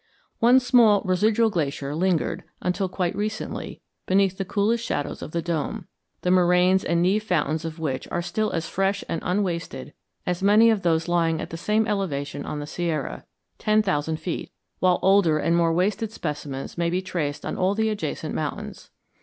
One small residual glacier lingered until quite recently beneath the coolest shadows of the dome, the moraines and névé fountains of which are still as fresh and unwasted as many of those lying at the same elevation on the Sierra—ten thousand feet—while older and more wasted specimens may be traced on all the adjacent mountains.